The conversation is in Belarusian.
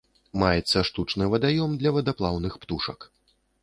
Маецца штучны вадаём для вадаплаўных птушак.